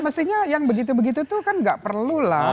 mestinya yang begitu begitu itu kan gak perlu lah